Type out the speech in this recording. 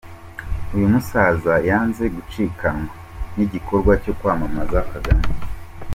Uyu musaza yanze gucikanwa n'igikorwa cyo kwamamaza Kagame.